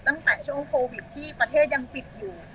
ตั้งแต่ช่วงโควิดที่ประเทศยังปิดอยู่